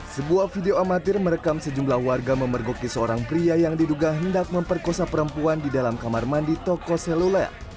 sebuah video amatir merekam sejumlah warga memergoki seorang pria yang diduga hendak memperkosa perempuan di dalam kamar mandi toko seluler